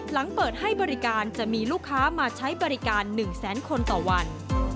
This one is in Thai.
หลังเปิดให้บริการจะมีลูกค้ามาใช้บริการ๑แสนคนต่อวัน